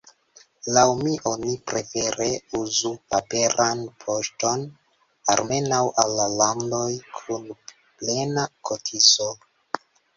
Laŭ mi oni prefere uzu paperan poŝton, almenaŭ al la landoj kun “plena” kotizo.